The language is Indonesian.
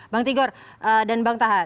bang tigor dan bang tahan